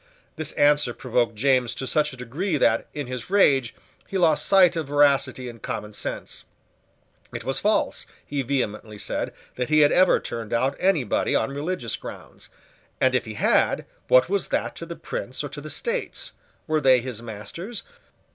This answer provoked James to such a degree that, in his rage, he lost sight of veracity and common sense. It was false, he vehemently said, that he had ever turned out any body on religious grounds. And if he had, what was that to the Prince or to the States? Were they his masters?